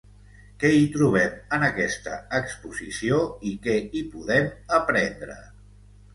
Què hi trobem, en aquesta exposició, i què hi podem aprendre?